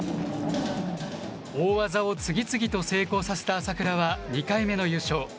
大技を次々と成功させた朝倉は２回目の優勝。